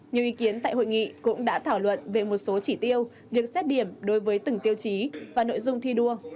nhiều ý kiến tại hội nghị cũng đã thảo luận về một số chỉ tiêu việc xét điểm đối với từng tiêu chí và nội dung thi đua